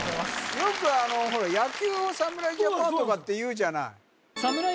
よくあのほら野球をサムライジャパンとかって言うじゃないサムライ